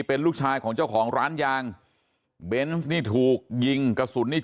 เป็นลูกชายของเจ้าของร้านยางเบนส์นี่ถูกยิงกระสุนนี่